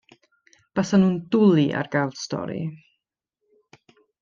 Basan nhw'n dwli ar gael stori.